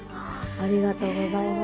ありがとうございます。